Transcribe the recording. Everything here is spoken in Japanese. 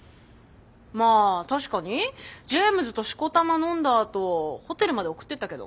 まあ確かにジェームズとしこたま飲んだあとホテルまで送ってったけど。